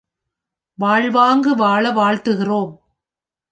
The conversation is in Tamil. வாழ்வாங்கு வாழ வாழ்த்துகிறோம்.